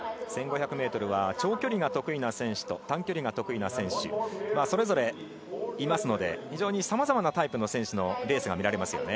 １５００ｍは長距離が得意な選手と短距離が得意な選手とそれぞれいますので非常にさまざまなタイプの選手のレースが見られます。